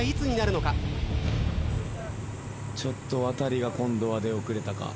ちょっとワタリが今度は出遅れたか？